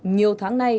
nhiều tháng nay